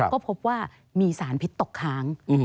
ก็พบว่ามีสารพิษตกค้าง